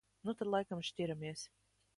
Nu tad laikam šķiramies.